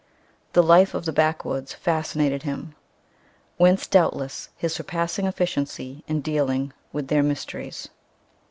The life of the backwoods fascinated him whence, doubtless, his surpassing efficiency in dealing with their mysteries.